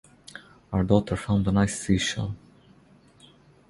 Our daughter found a nice seashell